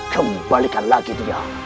kembalikan lagi dia